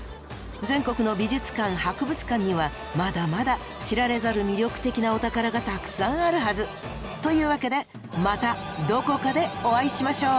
全国の美術館・博物館にはまだまだ知られざる魅力的なお宝がたくさんあるはず！というわけでまたどこかでお会いしましょう！